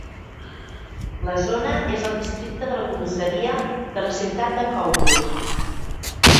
La zona és al districte de la comissaria de la ciutat de Kowloon.